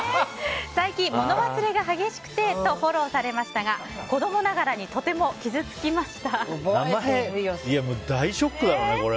最近、物忘れが激しくてとフォローされましたが子供ながらにとても傷つきました。